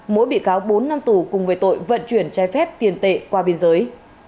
mỗi bị cáo bốn năm tù cùng với tội vận chuyển trái phép tiền tệ qua biên giới